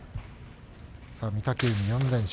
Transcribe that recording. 御嶽海、４連勝。